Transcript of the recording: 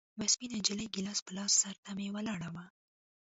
يوه سپينه نجلۍ ګيلاس په لاس سر ته مې ولاړه وه.